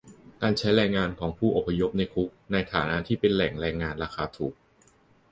การใช้แรงงานของผู้อพยพในคุกในฐานะที่เป็นแหล่งแรงงานราคาถูก